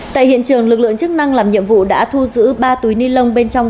tại hiện trường lực lượng chức năng làm nhiệm vụ đã thu giữ ba túi ni lông bên trong